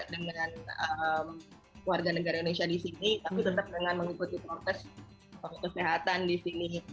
dengan warga negara indonesia di sini tapi tetap dengan mengikuti protes kesehatan di sini